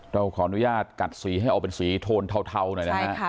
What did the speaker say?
เราขออนุญาตกัดสีให้เอาเป็นสีโทนเทาเทาหน่อยนะฮะใช่ค่ะ